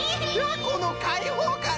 このかいほうかん！